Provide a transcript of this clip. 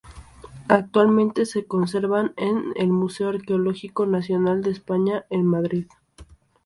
Actualmente se conservan en el Museo Arqueológico Nacional de España en Madrid.